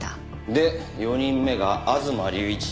で４人目が吾妻隆一。